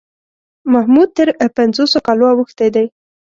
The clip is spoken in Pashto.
محمود تر پنځوسو کالو اوښتی دی.